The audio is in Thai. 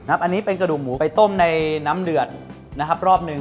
อันนี้เป็นกระดูกหมูไปต้มในน้ำเดือดนะครับรอบหนึ่ง